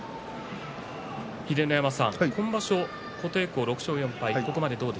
秀ノ山さん、今場所琴恵光６勝４敗